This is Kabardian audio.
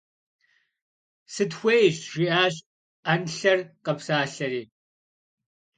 – Сытхуейщ! – жиӀащ Ӏэнлъэр къэпсалъэри.